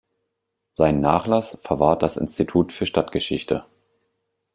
Seinen Nachlass verwahrt das Institut für Stadtgeschichte.